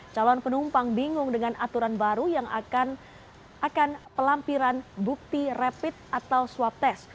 calon penumpang bingung dengan aturan baru yang akan pelampiran bukti rapid atau swab test